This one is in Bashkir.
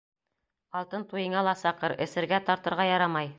Алтын туйыңа ла саҡыр Эсергә, тартырға ярамай.